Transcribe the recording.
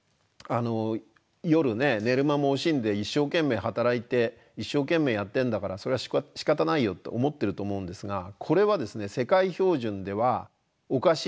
夜ね寝る間も惜しんで一生懸命働いて一生懸命やってんだからそれはしかたないよって思ってると思うんですがこれはですね世界標準ではおかしい考え方なんですよ。